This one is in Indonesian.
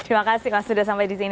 terima kasih mas sudah sampai di sini